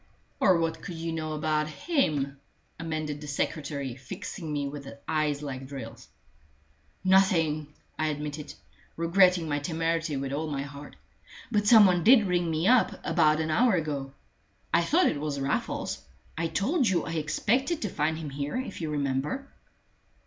"Or what could you know about him?" amended the secretary, fixing me with eyes like drills. "Nothing," I admitted, regretting my temerity with all my heart. "But some one did ring me up about an hour ago. I thought it was Raffles. I told you I expected to find him here, if you remember."